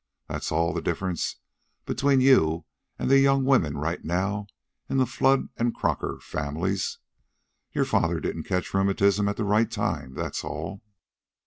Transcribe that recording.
That's all the difference between you an' the young women right now in the Flood and Crocker families. Your father didn't catch rheumatism at the right time, that's all."